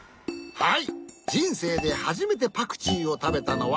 はい。